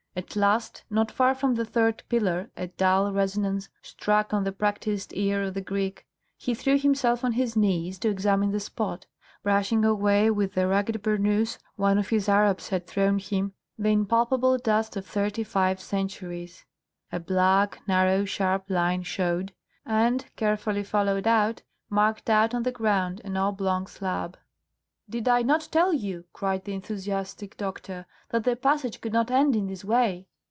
At last, not far from the third pillar a dull resonance struck on the practised ear of the Greek. He threw himself on his knees to examine the spot, brushing away with the ragged burnouse one of his Arabs had thrown him the impalpable dust of thirty five centuries. A black, narrow, sharp line showed, and, carefully followed out, marked out on the ground an oblong slab. "Did I not tell you," cried the enthusiastic doctor, "that the passage could not end in this way?"